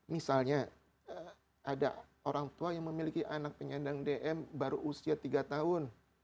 misalnya ada orang tua yang memiliki anak penyandang dm baru usia tiga tahun